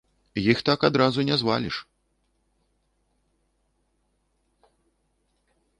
Іх так адразу не зваліш.